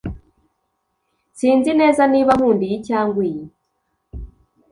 Sinzi neza niba nkunda iyi cyangwa iyi